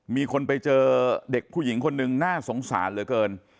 มีคนไปเจอเด็กผู้หญิงคนหนึ่งน่าสงสารเหลือเกิน